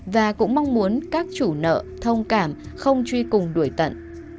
và cũng mong muốn các chủ nợ thông cảm không truy cùng đuổi tận